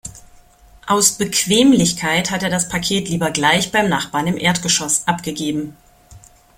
Aus Bequemlichkeit hat er das Paket lieber gleich beim Nachbarn im Erdgeschoss abgegeben.